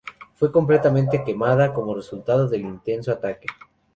Fue completamente quemada como resultado del intenso ataque.